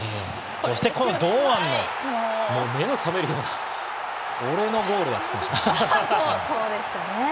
そしてこの堂安の目の覚めるような俺のボールだと言っていました。